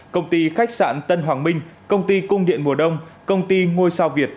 công ty khách sạn tân hoàng minh công ty cung điện mùa đông công ty ngôi sao việt